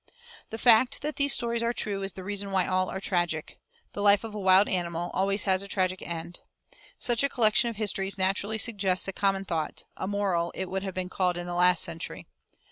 The fact that these stories are true is the reason why all are tragic. The life of a wild animal always has a tragic end. Such a collection of histories naturally suggests a common thought a moral it would have been called in the last century.